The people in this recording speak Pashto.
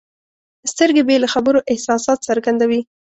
سترګې بې له خبرو احساسات څرګندوي.